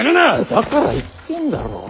だから言ってんだろ。